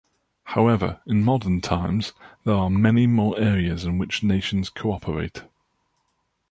However, in modern times, there are many more areas in which nations cooperate.